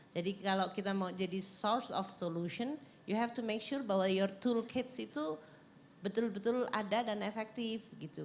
jadi kalau kita mau jadi source of solution you have to make sure bahwa your toolkits itu betul betul ada dan efektif